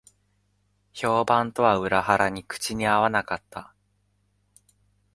評判とは裏腹に口に合わなかった